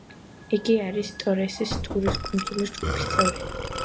იგი არის ტორესის სრუტის კუნძულების ჯგუფის წევრი.